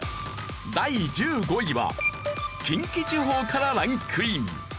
第１５位は近畿地方からランクイン。